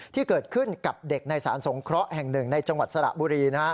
ที่เกิดขึ้นกับเด็กในสารสงเคราะห์แห่งหนึ่งในจังหวัดสระบุรี